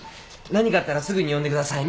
何かあったらすぐに呼んでください。